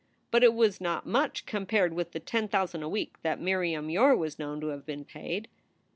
But it was not much compared with the ten thousand a week that Miriam Yore was known to have been paid.